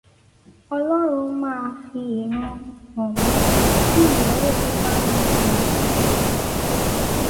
Ọlọ́run máa fi ìran hàn mí tí ìyàwó mi bá ń yan àlè.